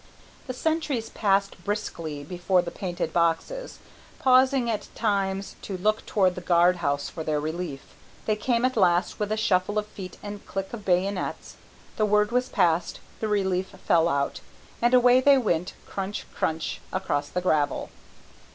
The sentries paced briskly before the painted boxes, pausing at times to look toward the guard house for their relief. They came at last, with a shuffle of feet and click of bayonets, the word was passed, the relief fell out, and away they went, crunch, crunch, across the gravel.